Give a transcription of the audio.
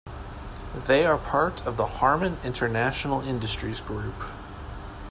They are part of the Harman International Industries group.